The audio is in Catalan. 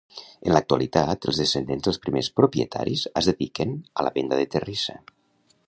En l'actualitat, els descendents dels primers propietaris es dediquen a la venda de terrissa.